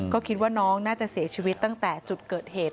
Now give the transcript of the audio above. ก็คิดว่าน้องน่าจะเสียชีวิตตั้งแต่จุดเกิดเหตุ